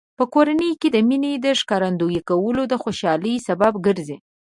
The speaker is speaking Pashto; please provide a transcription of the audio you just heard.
په کورنۍ کې د مینې ښکارندوی کول د خوشحالۍ سبب ګرځي.